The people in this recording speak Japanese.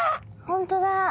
本当だ。